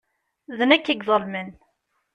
D nekk i iḍelmen.